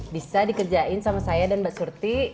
bisa dikerjain sama saya dan mbak surti